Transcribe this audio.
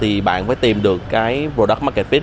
thì bạn phải tìm được cái product market fit